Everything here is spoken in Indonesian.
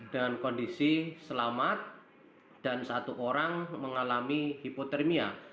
dengan kondisi selamat dan satu orang mengalami hipotermia